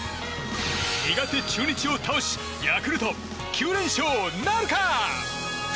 苦手、中日を倒しヤクルト、９連勝なるか。